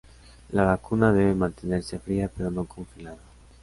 La vacuna debe mantenerse fría pero no congelada.